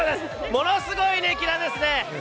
ものすごい熱気なんですね！